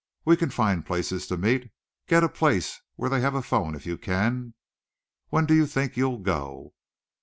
We can find places to meet. Get a place where they have a phone if you can. When do you think you'll go?"